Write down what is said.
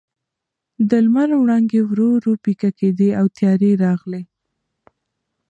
د لمر وړانګې ورو ورو پیکه کېدې او تیارې راغلې.